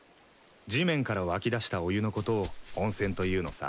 地面から湧き出したお湯のことを温泉というのさ。